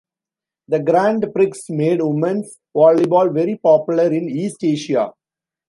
The Grand Prix made women's volleyball very popular in East Asia.